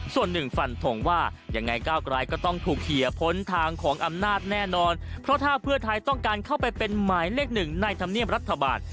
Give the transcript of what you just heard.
ส่วนหนึ่งฝันทงว่ายังไงก้าวกลายก็ต้องถูกเคลียร์พ้นทางของอำนาจแน่นอนเพราะถ้าเพื่อไทยต้องการเข้าไปเป็นหมายเลขหนึ่งในธรรมเนียมรัฐบาล